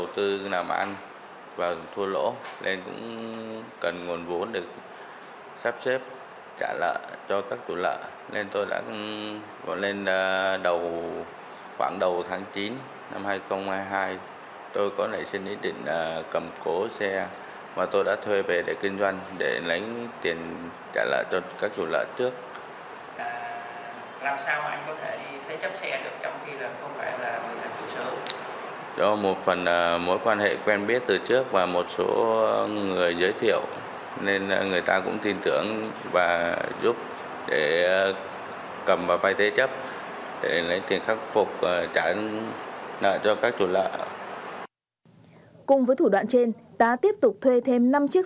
tuy nhiên do làm ăn thua lỗ không trả được nợ nên tá đã làm liều mang năm xe ô tô đã thuê đi thế chấp vay được sáu trăm bảy mươi năm triệu đồng và tiêu xài cá nhân